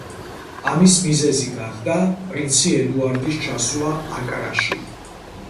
ამის მიზეზი გახდა პრინცი ედუარდის ჩასვლა აკრაში.